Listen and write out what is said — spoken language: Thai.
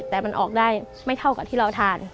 แต่มันออกได้ไม่เท่ากับที่เราทาน